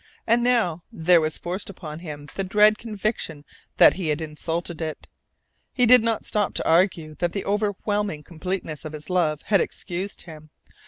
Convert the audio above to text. And now there was forced upon him the dread conviction that he had insulted it. He did not stop to argue that the overwhelming completeness of his love had excused him.